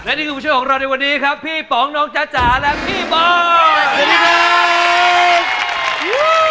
และนี่คือผู้ช่วยของเราในวันนี้ครับพี่ป๋องน้องจ๊ะจ๋าและพี่บอลสวัสดีครับ